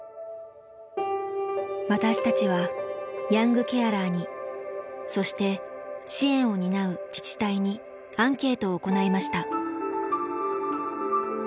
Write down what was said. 私たちはヤングケアラーにそして支援を担う自治体にアンケートを行いました。